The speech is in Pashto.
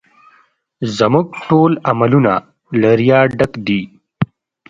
زموږ ټول عملونه له ریا ډک دي